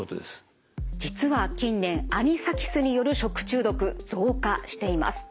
実は近年アニサキスによる食中毒増加しています。